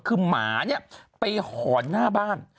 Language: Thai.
คือหมาเนี่ยไปหอนหน้าบ้าน